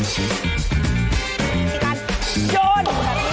โชน